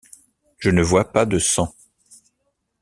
je ne vois pas de sang.